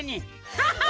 ハハハ！